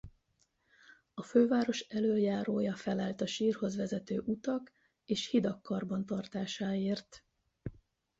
A főváros elöljárója felelt a sírhoz vezető utak és hidak karbantartásáért.